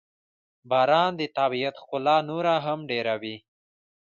• باران د طبیعت ښکلا نوره هم ډېروي.